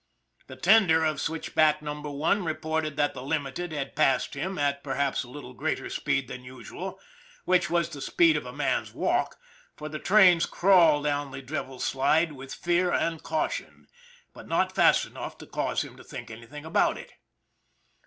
The tender of switch back number one reported that the Limited had passed him at perhaps a little greater speed than usual which was the speed of a man's walk, for trains crawl down the Devil's Slide with fear and caution but not fast enough to cause him to think anything about it.